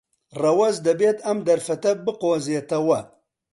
ڕەوەز دەبێت ئەم دەرفەتە بقۆزێتەوە.